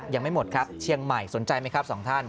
ยังไม่หมดครับเชียงใหม่สนใจไหมครับสองท่าน